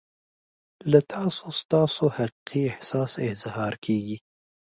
له تاسو ستاسو حقیقي احساس اظهار کیږي.